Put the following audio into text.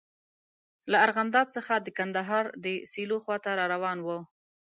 له ارغنداب څخه د کندهار د سیلو خواته را روان وو.